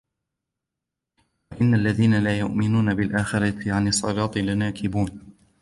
وإن الذين لا يؤمنون بالآخرة عن الصراط لناكبون